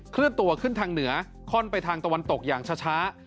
เลื่อนตัวขึ้นทางเหนือค่อนไปทางตะวันตกอย่างช้า